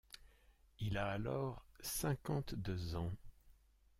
Il a alors cinquante-deux ans.